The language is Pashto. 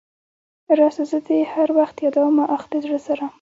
راسه زه دي هر وخت يادومه اخ د زړه سره .